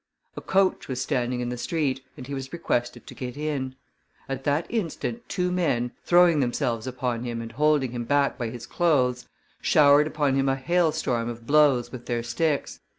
A coach was standing in the street, and he was requested to get in; at that instant two men, throwing themselves upon him and holding him back by his clothes, showered upon him a hailstorm of blows with their sticks.